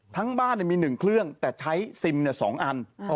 ทั้งบ้านมี๑เครื่องแต่ใช้ซิม๒อัน